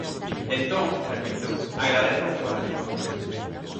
Entón –repito–, agradezo a súa resposta.